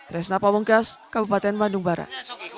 resna pamungkas kabupaten bandung barat